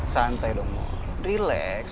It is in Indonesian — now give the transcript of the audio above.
santai dong relax